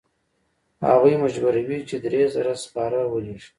هغوی مجبوروي چې درې زره سپاره ولیږي.